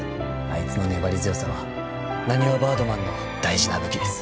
あいつの粘り強さはなにわバードマンの大事な武器です。